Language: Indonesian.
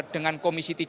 dengan komisi tiga